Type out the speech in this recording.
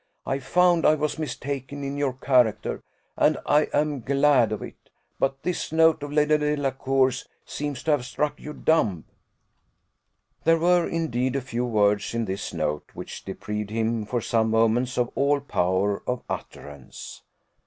I found I was mistaken in your character, and I am glad of it. But this note of Lady Delacour's seems to have struck you dumb." There were, indeed, a few words in this note, which deprived him, for some moments, of all power of utterance.